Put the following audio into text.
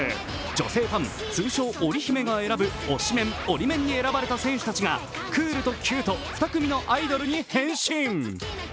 女性ファン通称オリ姫が選ぶ推しメン、オリメンに選ばれた選手たちがクールとキュート２組のアイドルに変身。